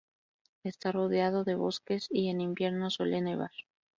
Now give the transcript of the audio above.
Está rodeado de bosques y en invierno suele nevar.